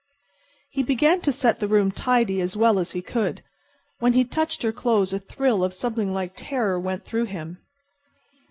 He began to set the rooms tidy as well as he could. When he touched her clothes a thrill of something like terror went through him.